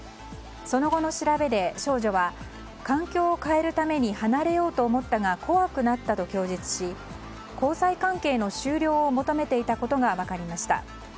その後の調べで、少女は環境を変えるために離れようと思ったが怖くなったと供述し交際関係の終了を求めていたことが分かりました。